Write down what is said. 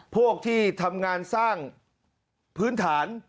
พวกที่ทำงานสร้างพื้นฐาน